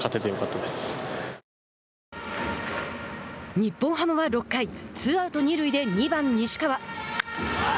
日本ハムは６回、ツーアウト、二塁で、２番西川。